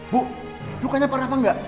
bu lukanya parah apa enggak